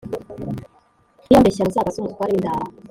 niba mbeshya muzabaze umutware w’i ndara